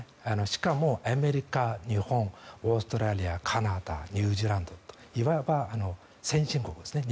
しかもアメリカ、日本オーストラリア、カナダニュージーランドいわば先進国ですね